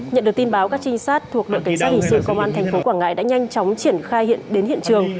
nhận được tin báo các trinh sát thuộc đội cảnh sát hình sự công an thành phố quảng ngãi đã nhanh chóng triển khai hiện đến hiện trường